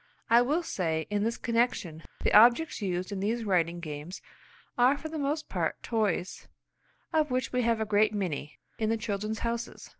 I will say, in this connection, the objects used in these writing games are for the most part toys of which we have a great many in the "Children's Houses."